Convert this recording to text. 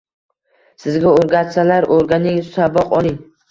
Sizga o’rgatsalar, o’rganing saboq oling.!